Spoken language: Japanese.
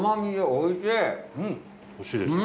おいしいでしょ？